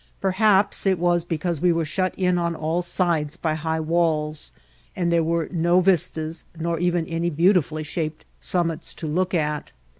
Per haps it was because we were shut in on all sides by high walls, and there were no vistas nor even any beautifully shaped summits to look at.